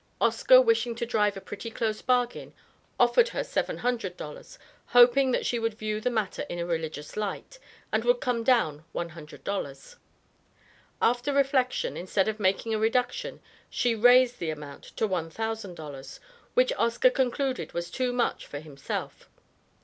Oscar wishing to drive a pretty close bargain offered her seven hundred dollars, hoping that she would view the matter in a religious light, and would come down one hundred dollars. After reflection instead of making a reduction, she raised the amount to one thousand dollars, which Oscar concluded was too much for himself.